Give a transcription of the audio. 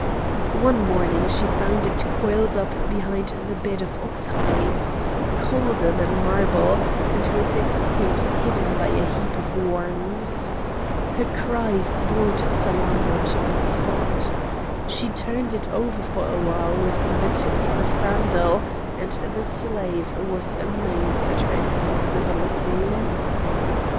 One morning she found it coiled up behind the bed of ox hides, colder than marble, and with its head hidden by a heap of worms. Her cries brought Salammbô to the spot. She turned it over for a while with the tip of her sandal, and the slave was amazed at her insensibility.